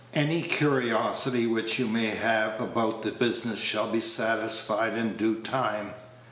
"Any curiosity which you may have about the business shall be satisfied in due time.